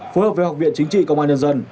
phối hợp với học viện chính trị công an nhân dân